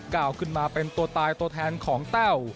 ก้าวขึ้นมาเป็นตัวตายตัวแทนของแต้ว